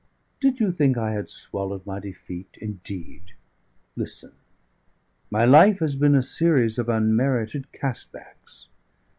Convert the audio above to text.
Did you think I had swallowed my defeat indeed? Listen: my life has been a series of unmerited cast backs.